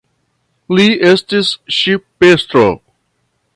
Li estis ŝipestro.